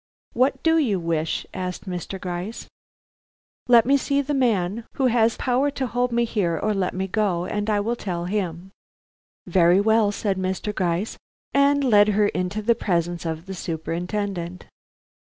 "What do you wish?" asked Mr. Gryce. "Let me see the man who has power to hold me here or let me go, and I will tell him." "Very well," said Mr. Gryce, and led her into the presence of the Superintendent.